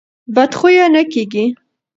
بد خویه نه کېږي.